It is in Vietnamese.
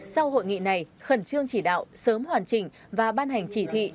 sau hội nghị này khẩn trương chỉ đạo sớm hoàn chỉnh và ban hành chỉ thị